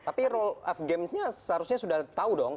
tapi rule of games nya seharusnya sudah tahu dong